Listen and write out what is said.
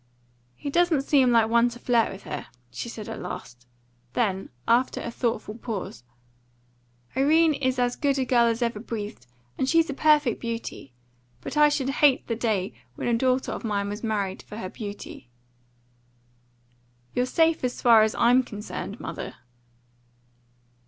"He doesn't seem like one to flirt with her," she said at last. Then, after a thoughtful pause: "Irene is as good a girl as ever breathed, and she's a perfect beauty. But I should hate the day when a daughter of mine was married for her beauty." "You're safe as far as I'm concerned, mother."